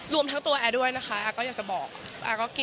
รวมทั้งตัวแอร์ด้วยนะคะก็อยากจะบอก